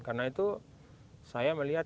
karena itu saya melihat